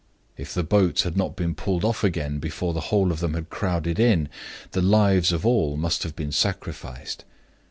If the boat had not been pulled off again before the whole of them had crowded in, the lives of all must have been sacrificed.